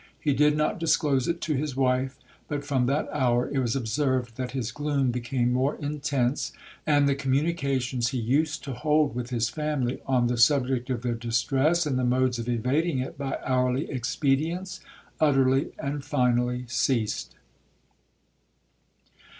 He did not disclose it to his wife,—but from that hour, it was observed that his gloom became more intense, and the communications he used to hold with his family, on the subject of their distress, and the modes of evading it by hourly expedients, utterly and finally ceased.